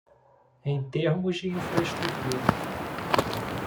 Em termos de infraestrutura